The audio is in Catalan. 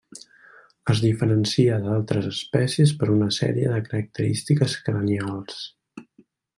Es diferencia d'altres espècies per una sèrie de característiques cranials.